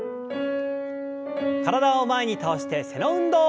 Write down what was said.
体を前に倒して背の運動。